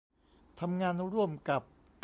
ทำงานร่วมกับ